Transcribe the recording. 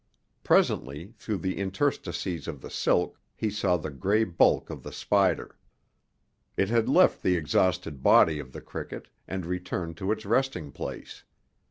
Presently, through the interstices of the silk, he saw the gray bulk of the spider. It had left the exhausted body of the cricket, and returned to its resting place.